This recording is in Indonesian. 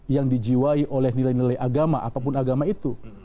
yang dijiwai oleh nilai nilai agama apapun agama itu